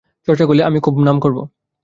চর্চা করলে আমি খুব নাম করব।